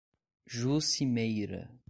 Juscimeira